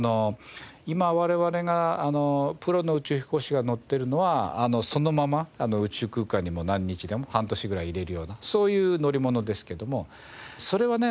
今我々がプロの宇宙飛行士が乗っているのはそのまま宇宙空間に何日でも半年ぐらいいれるようなそういう乗り物ですけどもそれはね